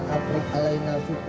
raghbana kaprik alaina suqrah